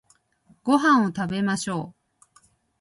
ご飯を食べましょう